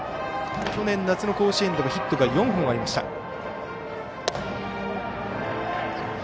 去年夏の甲子園ではヒットが４本ありました。